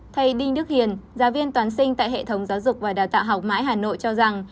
thầy đinh đức hiền giáo viên toán sinh tại hệ thống giáo dục và đào tạo học mãi hà nội cho rằng